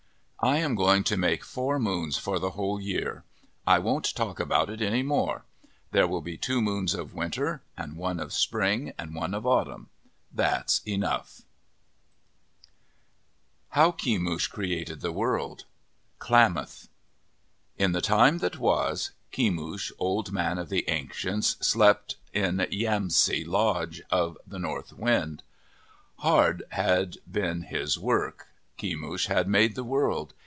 I am going to make four moons for the whole year. I won't talk about it any more. There will be two moons of winter, and one of spring, and one of autumn. That 's enough." OF THE PACIFIC NORTHWEST HOW KEMUSH CREATED THE WORLD Klamath IN the time that was, Kemush, Old Man of the Ancients, slept in Yamsi, Lodge of the North Wind. Hard had been his work. Kemush had made the world.